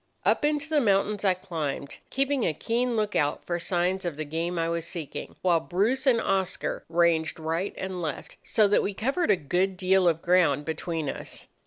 "Up into the mountains I climbed, keeping a keen look out for signs of the game I was seeking, while Bruce and Oscar ranged right and left, so that we covered a good deal of ground between us.